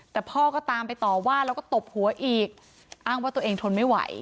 แต่พ่อก็ตามไปต่อว่าแล้วก็ตบหัวอีกอ้างว่าตัวเองทนไม่ไหว